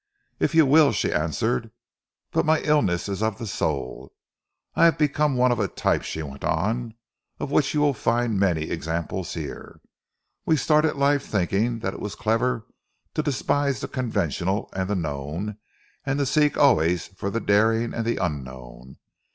"If you will," she answered, "but my illness is of the soul. I have become one of a type," she went on, "of which you will find many examples here. We started life thinking that it was clever to despise the conventional and the known and to seek always for the daring and the unknown.